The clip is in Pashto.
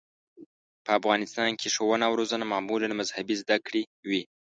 په افغانستان کې ښوونه او روزنه معمولاً مذهبي زده کړې وې.